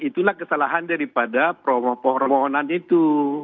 itulah kesalahan daripada permohonan itu